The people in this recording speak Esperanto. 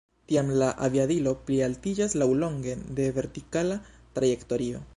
Tiam la aviadilo plialtiĝas laŭlonge de vertikala trajektorio.